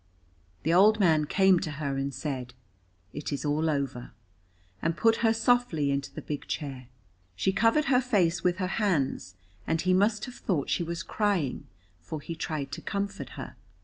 The old man came to her and said, "It is all over," and put her softly into the big chair. She covered her face with her hands, and he must have thought she was crying, for he tried to comfort her.